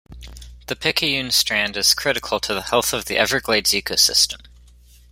The Picayune Strand is critical to the health of the Everglades ecosystem.